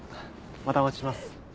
またお待ちしてます。